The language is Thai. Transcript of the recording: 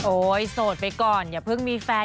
โสดไปก่อนอย่าเพิ่งมีแฟน